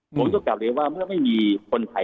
ผมต้องกลับเลี้ยวว่าไม่มีคนไทย